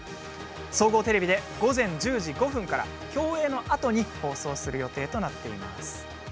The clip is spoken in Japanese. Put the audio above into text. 総合テレビで午前１０時５分から競泳のあとに放送する予定となっています。